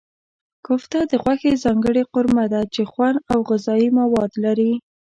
کوفته د غوښې ځانګړې قورمه ده چې خوند او غذايي مواد لري.